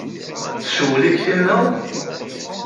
Tcewwel-ik tinna?